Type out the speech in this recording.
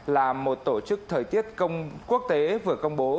là một tổ chức thời tiết quốc tế vừa công bố